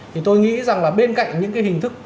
thì tôi nghĩ rằng là bên cạnh những cái hình thức